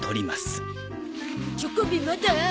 チョコビまだ？